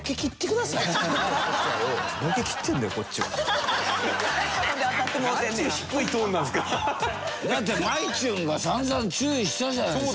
だってまいちゅんが散々注意したじゃない最初に。